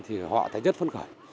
thì họ thấy rất phân khởi